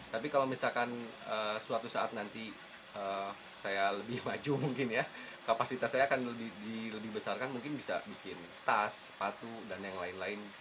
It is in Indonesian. tapi kalau misalkan suatu saat nanti saya lebih maju mungkin ya kapasitas saya akan dilebih besarkan mungkin bisa bikin tas patu dan yang lain lain